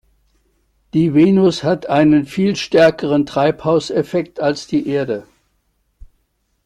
Die Venus hat einen viel stärkeren Treibhauseffekt als die Erde.